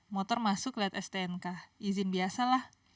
motor masuk lihat stnk izin biasa lah